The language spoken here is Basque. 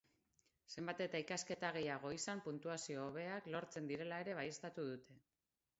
Zenbat eta ikasketa gehiago izan puntuazio hobeak lortzen direla ere baieztatu dute.